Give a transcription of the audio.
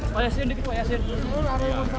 pak yasin dikit pak yasin